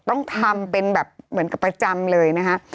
ต้องทำเป็นแบบเหมือนกับประจำเลยนะคะ